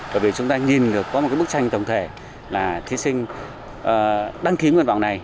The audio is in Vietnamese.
bởi vì chúng ta nhìn được có một bức tranh tổng thể là thí sinh đăng ký nguyện vọng này